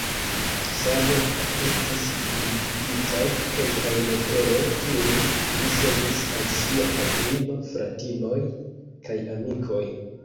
Same, estis publikigitaj kelkaj leteroj kiujn li sendis al sia patrino, fratinoj kaj amikoj.